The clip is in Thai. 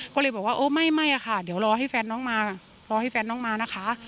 ก็เลยบอกว่าเออไม่อะค่ะเดี๋ยวรอให้แฟนน้องมารอให้แฟนน้องมานะคะ